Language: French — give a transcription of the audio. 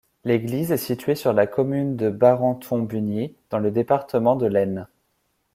L'église est située sur la commune de Barenton-Bugny, dans le département de l'Aisne.